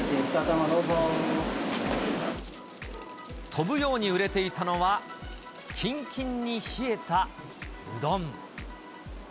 飛ぶように売れていたのは、きんきんに冷えたうどん。